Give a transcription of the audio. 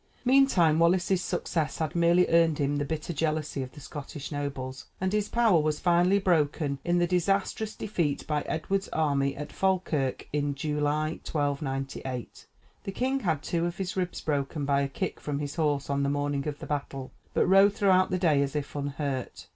Meantime, Wallace's success had merely earned him the bitter jealousy of the Scottish nobles, and his power was finally broken in the disastrous defeat by Edward's army at Falkirk in July, 1298. The king had two of his ribs broken by a kick from his horse on the morning of the battle, but rode throughout the day as if unhurt.